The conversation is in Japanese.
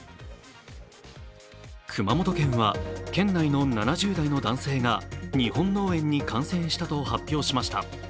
熊本県は県内の７０代の男性が日本脳炎に感染したと発表しました。